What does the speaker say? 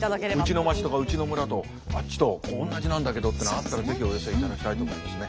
うちの町とかうちの村とあっちと同じなんだけどってのがあったら是非お寄せいただきたいと思いますね。